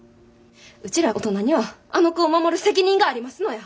うちら大人にはあの子を守る責任がありますのや。